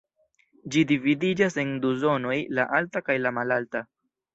Ĝi dividiĝas en du zonoj: la alta kaj la malalta.